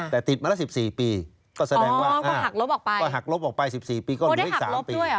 แต่ติดมาละ๑๔ปีก็แสดงว่าหักลบออกไป๑๔ปีก็เหลืออีก๓ปี